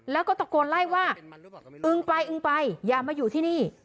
แล้วก็ตะโกนไล่ว่าอึงไปอึงไปอย่ามาอยู่ที่นี่